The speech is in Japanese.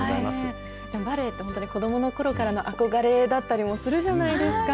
でもバレエって、本当に子どものころからの憧れだったりもするじゃないですか。